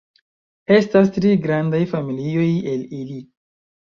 Estas tri grandaj familioj el ili.